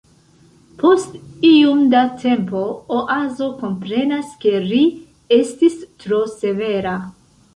Post iom da tempo Oazo komprenas ke ri estis tro severa.